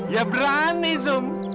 ya berani zum